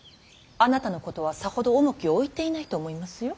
あなたのことはさほど重きを置いていないと思いますよ。